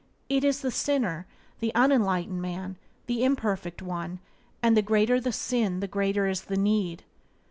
It is the sinner, the unenlightened man, the imperfect one; and the greater the sin the greater is the need.